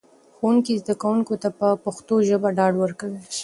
ښوونکي زده کوونکو ته په پښتو ژبه ډاډ ورکړ.